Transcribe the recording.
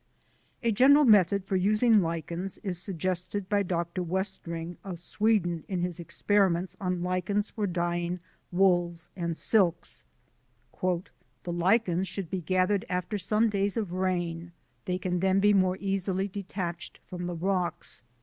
A general method for using lichens is suggested by Dr. Westring of Sweden in his Experiments on Lichens for Dyeing Wools and Silks: "The Lichens should be gathered after some days of rain, they can then be more easily detached from the rocks.